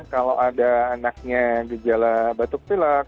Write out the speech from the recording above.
kalau ada anaknya gejala batuk pilek